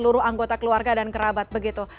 seluruh anggota keluarga dan kerabat begitu